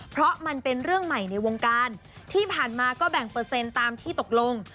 เพราะมันเป็นเรื่องใหม่ในวงการที่ผ่านมาก็แบ่งเปอร์เซ็นต์ตามที่ตกลง